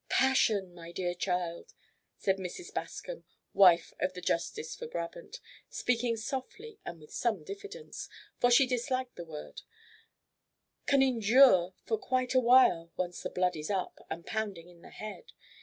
"Passion, my dear child," said Mrs. Bascom, wife of the Justice for Brabant, speaking softly and with some diffidence, for she disliked the word, "can endure for quite a while once the blood is up and pounding in the head.